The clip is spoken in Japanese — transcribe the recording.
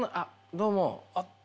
どうも。